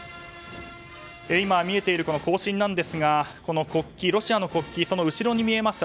今、見えている行進ですがロシアの国旗その後ろに見えます